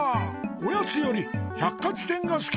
おやつより百科じてんがすき。